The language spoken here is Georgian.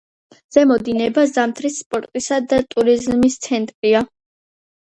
ზემო დინება ზამთრის სპორტისა და ტურიზმის ცენტრია.